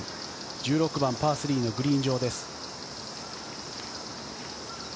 １６番、パー３のグリーン上です。